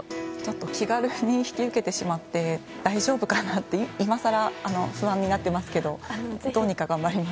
気軽に引き受けてしまって大丈夫かなっていまさら不安になってますけどどうにか頑張ります。